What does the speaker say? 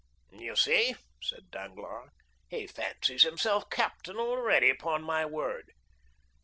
"You see," said Danglars, "he fancies himself captain already, upon my word."